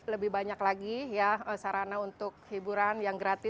lebih banyak lagi ya sarana untuk hiburan yang gratis